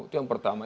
itu yang pertama